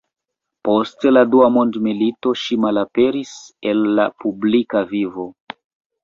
Post la dua mondmilito ŝi malaperis el la publika vivo.